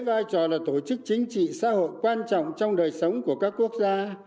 vai trò là tổ chức chính trị xã hội quan trọng trong đời sống của các quốc gia